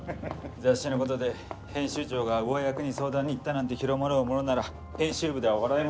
雑誌のことで編集長が上役に相談に行ったなんて広まろうものなら編集部では笑いものですからね。